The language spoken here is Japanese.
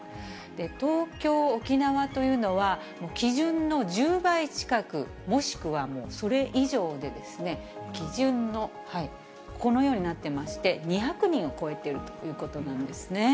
東京、沖縄というのは基準の１０倍近く、もしくはもうそれ以上で、基準の、このようになってまして、２００人を超えているということなんですね。